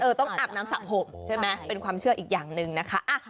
ต้องอาบน้ำสระผมใช่ไหมเป็นความเชื่ออีกอย่างหนึ่งนะคะ